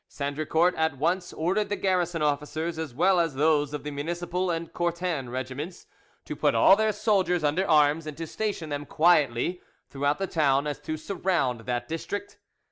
Sandricourt at once ordered the garrison officers, as well as those of the municipal and Courten regiments, to put all their soldiers under arms and to station them quietly throughout the town so as to surround that district.